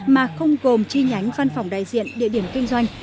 mà không gồm chi nhánh văn phòng đại diện địa điểm kinh doanh